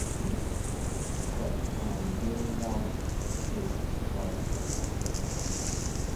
But I do like it quite a lot.